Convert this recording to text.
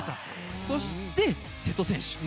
そして、瀬戸選手。